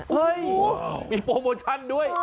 เฮ้ยมีโปรโมชั่นด้วย